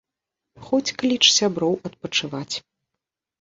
Хоць кліч сяброў адпачываць!